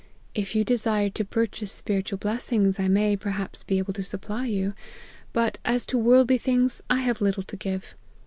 ' If you desire to purchase spiritual blessings, I may, perhaps, be able to supply you ; but, as to worldly things, I have little to give.